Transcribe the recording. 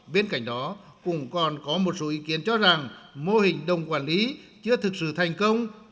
bên cạnh đó cũng còn có một số ý kiến cho rằng mô hình đồng quản lý chưa thực sự thành công